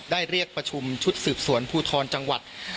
เรียกประชุมชุดสืบสวนภูทรจังหวัด